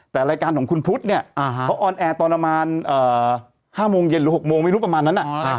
แต่รายการของคุณพุทธเนี่ยเขาออนแอร์ตอนประมาณ๕โมงเย็นหรือ๖โมงไม่รู้ประมาณนั้น